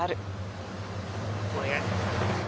お願い！